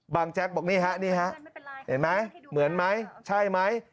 แจ๊กบอกนี่ฮะนี่ฮะเห็นไหมเหมือนไหมใช่ไหม